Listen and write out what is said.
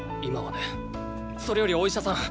それよりお医者さん。